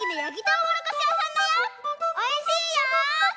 おいしいよ！